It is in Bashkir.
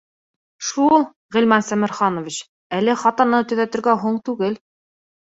Шул, Ғилман Сәмерханович, әле хатаны төҙәтергә һуң түгел